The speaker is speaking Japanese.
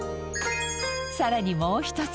更にもう一つ。